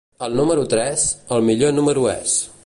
El número tres, el millor número és.